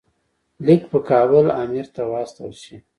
لیک په کابل امیر ته واستول شي.